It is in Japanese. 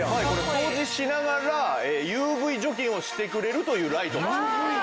掃除しながらＵＶ除菌をしてくれるというライトが。